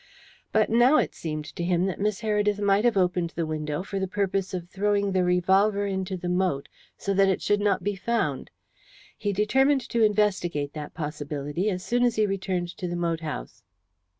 But now it seemed to him that Miss Heredith might have opened the window for the purpose of throwing the revolver into the moat so that it should not be found. He determined to investigate that possibility as soon as he returned to the moat house.